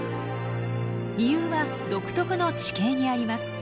理由は独特の地形にあります。